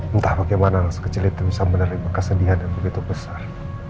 entah bagaimana anak sekecil itu bisa menerima kesedihan yang begitu besar